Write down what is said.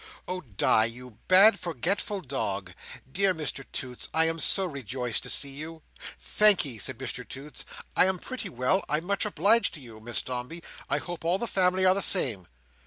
"Oh Di, you bad, forgetful dog! Dear Mr Toots, I am so rejoiced to see you!" "Thankee," said Mr Toots, "I am pretty well, I'm much obliged to you, Miss Dombey. I hope all the family are the same."